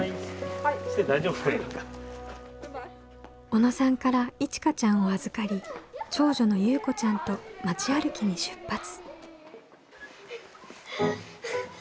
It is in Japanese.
小野さんからいちかちゃんを預かり長女のゆうこちゃんと町歩きに出発。